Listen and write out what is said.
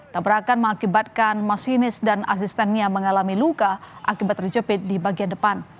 tabrakan mengakibatkan masinis dan asistennya mengalami luka akibat terjepit di bagian depan